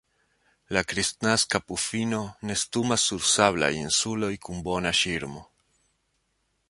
La Kristnaska pufino nestumas sur sablaj insuloj kun bona ŝirmo.